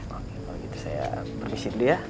oke kalo gitu saya permisi dulu ya